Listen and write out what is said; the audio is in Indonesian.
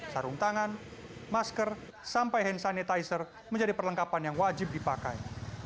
sarung tangan masker sampai hand sanitizer menjadi perlengkapan yang wajib dipakai